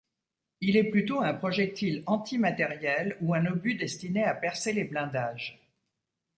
Il est plutôt un projectile antimatériel ou un obus destiné à percer les blindages.